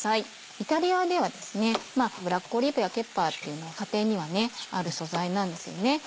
イタリアではブラックオリーブやケッパーっていうのは家庭にはある素材なんですよね。